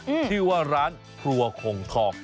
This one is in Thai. ชื่อว่าร้านครัวคงทอง